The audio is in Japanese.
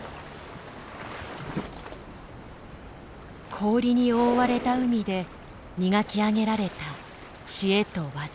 氷に覆われた海で磨き上げられた知恵と技です。